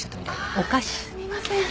ああすみません。